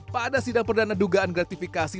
pada sidang perdana dugaan gratifikasi